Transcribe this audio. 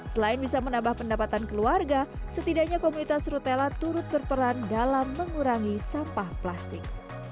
selain bisa menambah pendapatan keluarga setidaknya komunitas rutela turut berperan dalam mengurangi sampah plastik